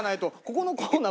このコーナー。